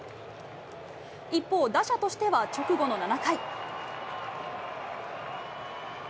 一方、打者としては直後の７回。